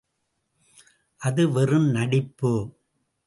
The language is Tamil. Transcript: அது வெறும் நடிப்பு.